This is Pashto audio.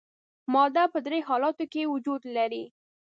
ماده په درې حالتونو کې وجود لري.